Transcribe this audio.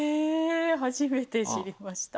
初めて知りました。